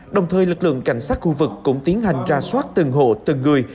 đồng thời lực lượng cảnh sát khu vực cũng tiến hành ra soát từng hộ từng người